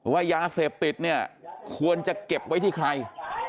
ว่ายาเสพติดเนี่ยควรจะเก็บไว้ที่ใคร